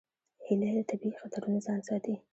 هیلۍ له طبیعي خطرونو ځان ساتي